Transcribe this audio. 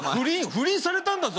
不倫されたんだぞ